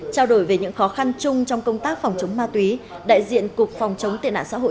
trao đổi về những khó khăn chung trong công tác phòng chống ma túy đại diện cục phòng chống tệ nạn xã hội